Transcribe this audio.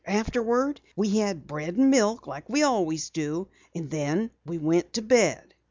Afterwards we had bread and milk like we always do, and then we went to bed."